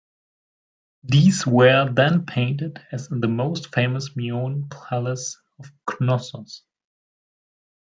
These were then painted as in the most famous Minoan palace of Knossos.